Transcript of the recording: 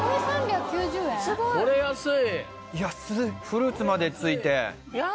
フルーツまで付いて。